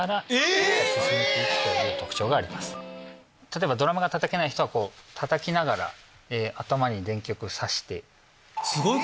例えばドラムがたたけない人はたたきながら頭に電極を挿して。